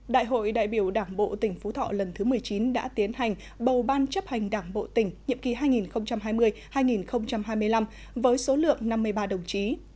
đại hội đại biểu đảng bộ tỉnh phú thọ lần thứ một mươi chín đã tiến hành bầu ban chấp hành đảng bộ tỉnh nhiệm kỳ hai nghìn hai mươi hai nghìn hai mươi năm với số lượng năm mươi ba đồng chí